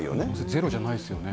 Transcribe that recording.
ゼロじゃないですよね。